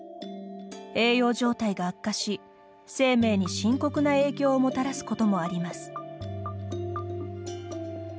栄養状態が悪化し、生命に深刻な影響をもたらすこともあります。